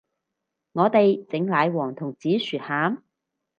我哋整奶黃同紫薯餡